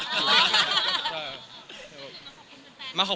มาขอบคุณเป็นแฟนใช่มั้ยครับ